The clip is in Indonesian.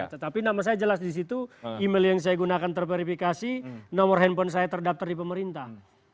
tetapi nama saya jelas di situ email yang saya gunakan terverifikasi nomor handphone saya terdaftar di pemerintah